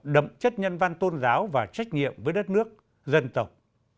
đậm chất nhân văn tôn giáo và trách nhiệm với đất nước dân tộc